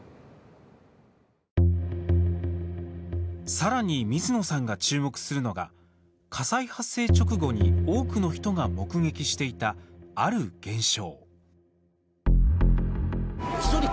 さらに、水野さんが注目するのが、火災発生直後に多くの人が目撃していたある現象。